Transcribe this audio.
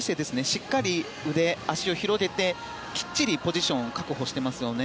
しっかり腕、足を広げてきっちりポジションを確保していますね。